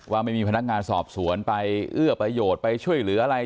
ว่าไม่มีพนักงานสอบสวนไปเอื้อประโยชน์ไปช่วยเหลืออะไร